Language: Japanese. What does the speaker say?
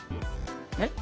えっ？